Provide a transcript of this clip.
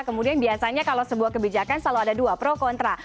kemudian biasanya kalau sebuah kebijakan selalu ada dua pro kontra